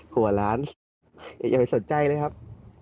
หัวล้านยังไม่สนใจเลยครับ